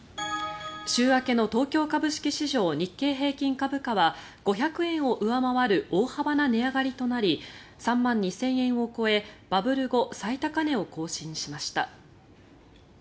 週明けの東京株式市場日経平均株価は５００円を上回る大幅な値上がりとなり３万２０００円を超えバブル後最高値を更新しました。